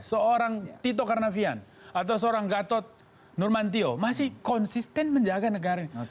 seorang tito karnavian atau seorang gatot nurmantio masih konsisten menjaga negara ini